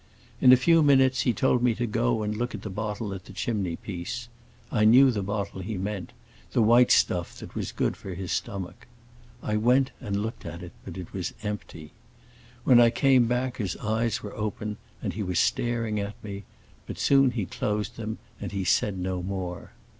In a few minutes he told me to go and look at the bottle on the chimney piece. I knew the bottle he meant; the white stuff that was good for his stomach. I went and looked at it, but it was empty. When I came back his eyes were open and he was staring at me; but soon he closed them and he said no more.